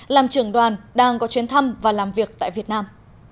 làm trưởng đoàn đang có chuyến thăm và làm việc tại việt nam